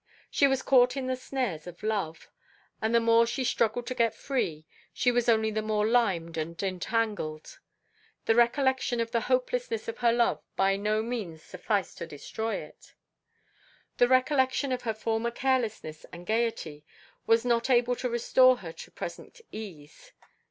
She was caught in the snares of love. And the more she struggled to get free, she was only the more limed and entangled. The recollection of the hopelessness of her love by no means sufficed to destroy it. The recollection of her former carelessness and gaiety was not able to restore her to present ease.